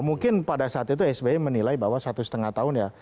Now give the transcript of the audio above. mungkin pada saat itu sby menilai bahwa satu setengah tahun ya